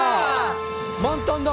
満タンだ！